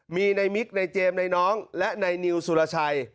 มีในมิกในเจมส์ในน้องและนายนิวสุรชัย